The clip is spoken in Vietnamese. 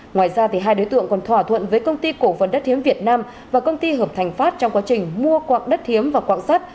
ngoài ra hai đối tượng còn thỏa thuận với công ty cổ phần đất thiếm việt nam và công ty hợp thành pháp trong quá trình mua quạng đất thiếm và quạng sắt